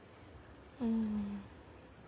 うん。